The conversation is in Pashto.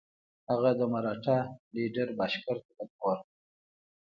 هغه د مرهټه لیډر بهاشکر ته بلنه ورکړه.